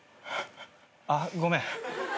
あっごめん。